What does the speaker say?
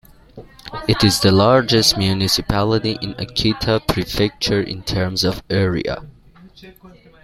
It is the largest municipality in Akita Prefecture in terms of area.